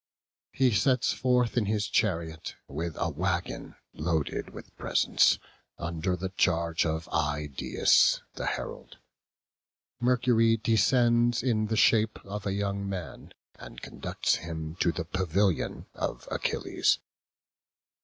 He sets forth in his chariot, with a waggon loaded with presents, under the charge of Idaeus the herald. Mercury descends in the shape of a young man, and conducts him to the pavilion of Achilles.